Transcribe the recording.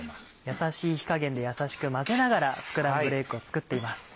やさしい火加減でやさしく混ぜながらスクランブルエッグを作っています。